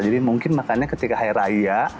jadi mungkin makannya ketika hari raya